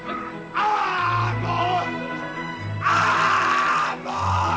ああもう。